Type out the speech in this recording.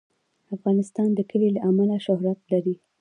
افغانستان د کلي له امله شهرت لري.